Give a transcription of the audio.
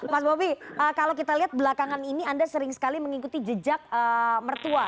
mas bobi kalau kita lihat belakangan ini anda sering sekali mengikuti jejak mertua